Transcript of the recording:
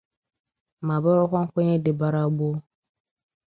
ma bụrụkwa nkwenye dịbara gboo